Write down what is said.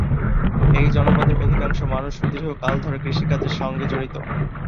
এই জনপদের অধিকাংশ মানুষ সুদীর্ঘ কাল ধরে কৃষিকাজের সঙ্গে জড়িত।